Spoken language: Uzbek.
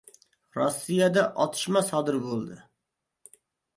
Rossiyada otishma sodir bo‘ldi